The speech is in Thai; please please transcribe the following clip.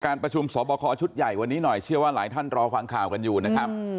ประชุมสอบคอชุดใหญ่วันนี้หน่อยเชื่อว่าหลายท่านรอฟังข่าวกันอยู่นะครับ